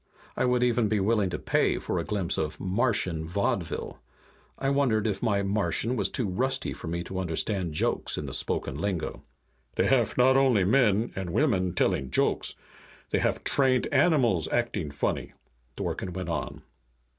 I would even be willing to pay for a glimpse of Martian vaudeville. I wondered if my Martian was too rusty for me to understand jokes in the spoken lingo. "They haf not only men and women telling jokes. They haf trained animals acting funny!" Dworken went on.